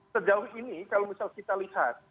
sejauh ini kalau misal kita lihat